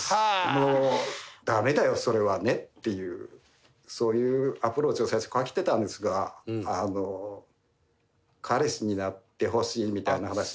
もうダメだよそれはねっていうそういうアプローチを最初かけてたんですが彼氏になってほしいみたいな話になって。